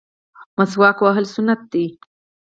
مسواک وهل سنت دي